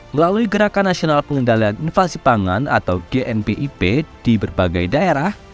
melalui gerakan nasional pengendalian inflasi pangan atau gmpip di berbagai daerah